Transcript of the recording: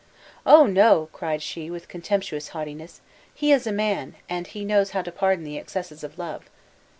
"Oh, no!" cried she, with contemptuous haughtiness; "he is a man, and he knows how to pardon the excesses of love!